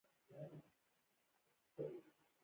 طالب ویل یخ خو به دې نه کېږي.